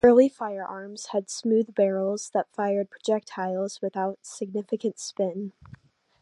Early firearms had smooth barrels that fired projectiles without significant spin.